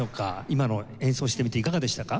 今の演奏してみていかがでしたか？